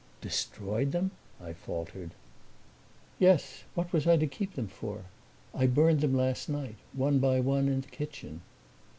"Destroyed them?" I faltered. "Yes; what was I to keep them for? I burned them last night, one by one, in the kitchen."